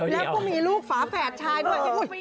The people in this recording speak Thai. แล้วก็มีลูกฝาแฝดชายด้วย